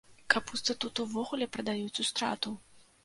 Капусту тут увогуле прадаюць у страту!